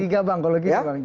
tiga bang kalau gitu bang